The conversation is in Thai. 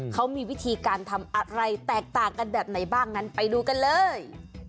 เขามีวิธีการทำอะไรแตกต่างกันแบบไหนบ้างนั้นไปดูกันเลย